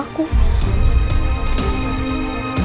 aku mau ke rumah